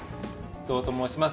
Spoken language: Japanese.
伊藤ともうします。